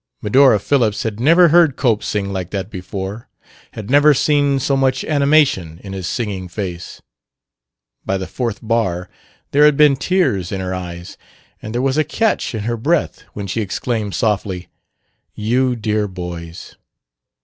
Medora Phillips had never heard Cope sing like that before; had never seen so much animation in his singing face. By the fourth bar there had been tears in her eyes, and there was a catch in her breath when she exclaimed softly, "You dear boys!"